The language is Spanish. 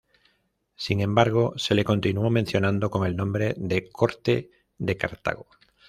Sin embargo, se le continuó mencionando con el nombre de "Corte de Cartago".